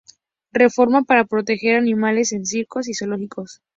Reforma para proteger a animales en circos y zoológicos.